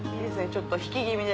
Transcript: ちょっと引き気味で。